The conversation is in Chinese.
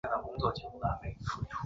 美洲攀鼠属等之数种哺乳动物。